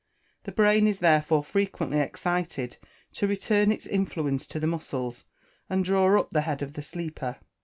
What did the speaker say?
The brain is therefore frequently excited to return its influence to the muscles, and draw up the head of the sleeper.